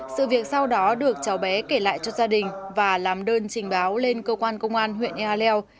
sự việc sau đó được cháu bé kể lại cho gia đình và làm đơn trình báo lên cơ quan công an huyện ea leo